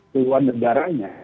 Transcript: ke luar negaranya